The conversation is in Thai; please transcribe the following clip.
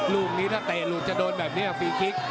รูปนี้ถ้าเตรลูกจะโดนแบบนี้อะฟีคลิก